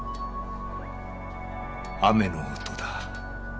雨の音だ。